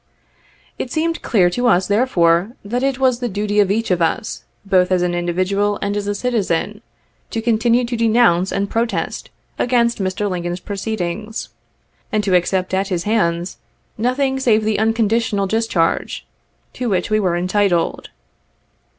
It seemed clear to us, therefore, that it was the duty of each of us, both as an individual and a citizen, to continue to denounce and protest against Mr. Lincoln's proceedings, and to accept at his hands, nothing save the unconditional discharge, to which we were entitled.